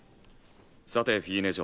さてフィーネ嬢